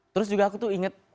terus juga aku tuh inget